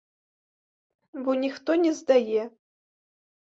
Бо ніхто не здае.